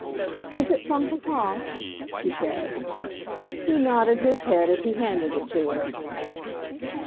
"Is it from papa?" she said. He nodded his head as he handed it to her.